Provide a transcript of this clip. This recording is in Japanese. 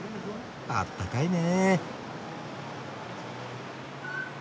あったかいね。